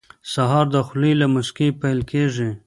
سهار د خولې له موسکۍ پیل کېږي.